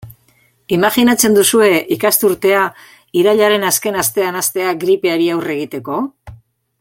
Imajinatzen duzue ikasturtea irailaren azken astean hastea gripeari aurre egiteko?